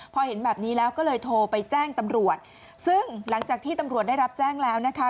พอเห็นแบบนี้แล้วก็เลยโทรไปแจ้งตำรวจซึ่งหลังจากที่ตำรวจได้รับแจ้งแล้วนะคะ